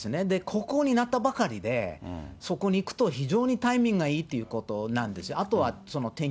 国王になったばかりで、そこに行くと非常にタイミングがいいということなんですよ。